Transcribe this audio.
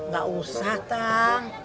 gak usah tang